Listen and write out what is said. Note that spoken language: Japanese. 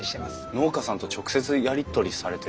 農家さんと直接やり取りされてるんですか？